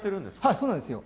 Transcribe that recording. はいそうなんですよ。